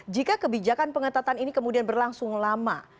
jika kebijakan pengetatan ini kemudian berlangsung lama